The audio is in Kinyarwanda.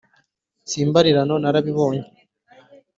si imbarirano narabibonye